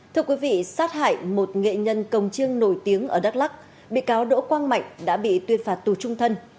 thưa quý vị sát hại một nghệ nhân công chiêng nổi tiếng ở đắk lắc bị cáo đỗ quang mạnh đã bị tuyên phạt tù trung thân